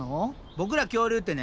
ボクら恐竜ってね